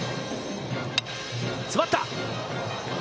詰まった。